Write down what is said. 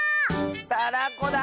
たらこだ！